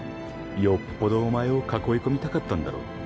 よっぽどお前を囲い込みたかったんだろ。